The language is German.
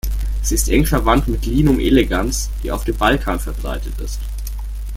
Sie ist eng verwandt mit "Linum elegans", die auf dem Balkan verbreitet ist.